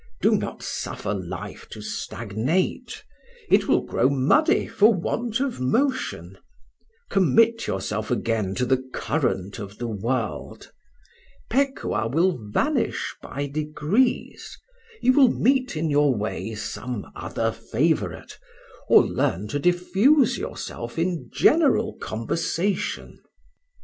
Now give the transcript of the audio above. Do not suffer life to stagnate: it will grow muddy for want of motion; commit yourself again to the current of the world; Pekuah will vanish by degrees; you will meet in your way some other favourite, or learn to diffuse yourself in general conversation."